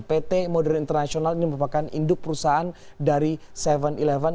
pt modern international ini merupakan induk perusahaan dari tujuh sebelas